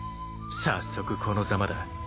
［早速このざまだ］